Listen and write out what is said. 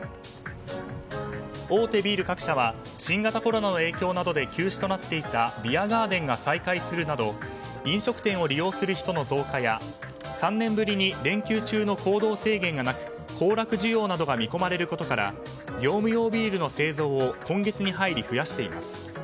大手ビール各社は新型コロナの影響などで休止となっていたビアガーデンが再開するなど飲食店を利用する人の増加や３年ぶりに連休中の行動制限がなく行楽需要などが見込まれることから業務用ビールの製造を今月に入り、増やしています。